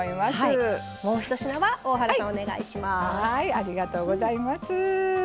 ありがとうございます。